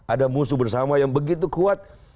ada musuh bersama yang begitu kuat